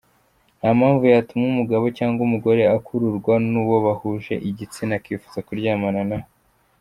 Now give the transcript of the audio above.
Nta mpamvu yatuma umugabo cyangwa umugore akururwa n’uwo bahuje igitsina akifuza kuryamana nawe.